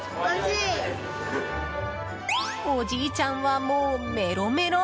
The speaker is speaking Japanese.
おじいちゃんはもうメロメロ！